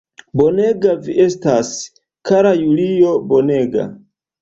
Bonega vi estas, kara Julio, bonega!